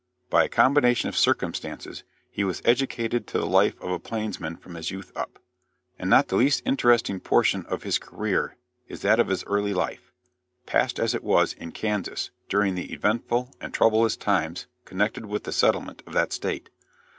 By a combination of circumstances he was educated to the life of a plainsman from his youth up; and not the least interesting portion of his career is that of his early life, passed as it was in Kansas during the eventful and troubleous times connected with the settlement of that state.